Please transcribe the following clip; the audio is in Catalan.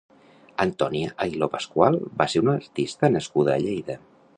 Antònia Aguiló Pascual va ser una artista nascuda a Lleida.